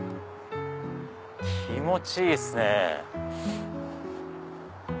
気持ちいいっすね。